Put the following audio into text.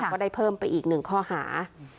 ก็ได้เพิ่มไปอีก๑ข้อหา